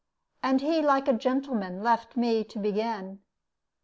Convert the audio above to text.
And he, like a gentleman, left me to begin.